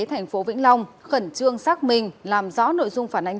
tp vĩ long khẩn trương xác minh làm rõ nội dung phản ánh